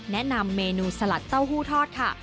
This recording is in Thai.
แนะนำเมนูสลัดเต้าหู้ทอดค่ะ